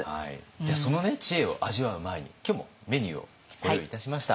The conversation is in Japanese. じゃあその知恵を味わう前に今日もメニューをご用意いたしました。